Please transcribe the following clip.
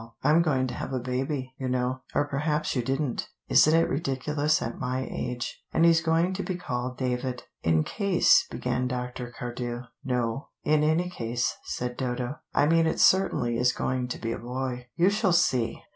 I'm going to have a baby, you know, or perhaps you didn't. Isn't it ridiculous at my age, and he's going to be called David." "In case " began Dr. Cardew. "No, in any case," said Dodo. "I mean it certainly is going to be a boy. You shall see.